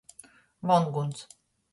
Vonguns.